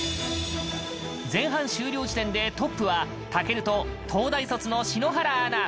前半終了時点でトップは健と東大卒の篠原アナ。